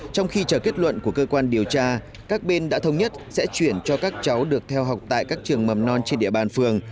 trong khi chờ kết luận của cơ quan điều tra các bên đã thống nhất sẽ chuyển cho các cháu được theo học tại các trường mầm non trên địa bàn phường